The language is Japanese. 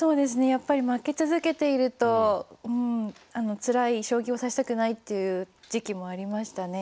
やっぱり負け続けているとつらい将棋を指したくないっていう時期もありましたね。